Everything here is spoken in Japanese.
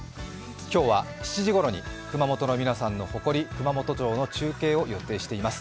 今日は７時ごろに熊本の皆さんの誇り熊本城の中継を予定しています。